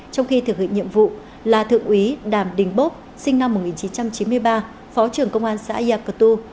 trong khi thực hiện nhiệm vụ là thượng úy đàm đình bốc sinh năm một nghìn chín trăm chín mươi ba phó trưởng công an xã yà cờ tu